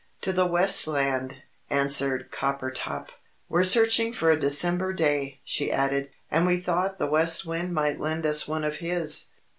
"To the West Land," answered Coppertop. "We're searching for a December day," she added, "and we thought the West Wind might lend us one of his."